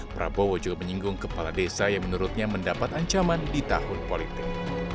prabowo juga menyinggung kepala desa yang menurutnya mendapat ancaman di tahun politik